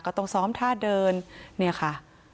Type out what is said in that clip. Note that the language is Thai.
ต้องซ้อมท่าเดินเนี่ยค่ะ